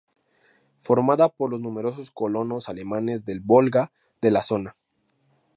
Formada por los numerosos colonos alemanes del Volga de la zona.